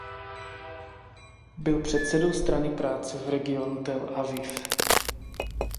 Byl předsedou Strany práce v regionu Tel Aviv.